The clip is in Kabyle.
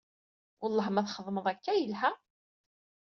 Welleh ma txedmeḍ akka yelha.